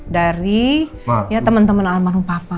dari temen temen almarhum papa